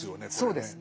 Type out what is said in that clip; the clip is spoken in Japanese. そうです。